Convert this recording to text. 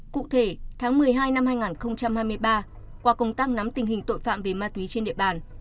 cụ thể tháng một mươi hai năm hai nghìn hai mươi ba qua công tác nắm tình hình tội phạm về ma túy trên địa bàn